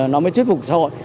nó mới thuyết phục xã hội